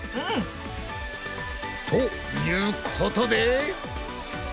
うん！ということで。